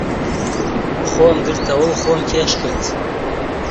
خۆم گرتەوە و خۆم کێش کرد.